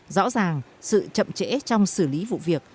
rõ ràng sự chậm trễ trong xử lý vụ việc